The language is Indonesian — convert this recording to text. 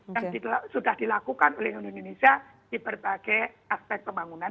yang sudah dilakukan oleh indonesia di berbagai aspek pembangunan